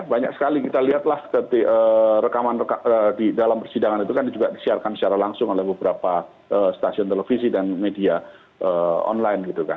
banyak sekali kita lihatlah rekaman di dalam persidangan itu kan juga disiarkan secara langsung oleh beberapa stasiun televisi dan media online gitu kan